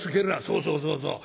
「そうそうそうそう。